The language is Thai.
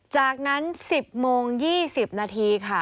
จากนั้น๑๐โมง๒๐นาทีค่ะ